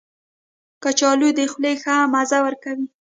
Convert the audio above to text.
کچالو د خولې ښه مزه ورکوي